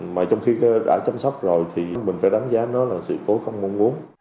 mà trong khi đã chăm sóc rồi thì mình phải đánh giá nó là sự cố không mong muốn